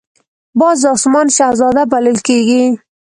باز د آسمان شهزاده بلل کېږي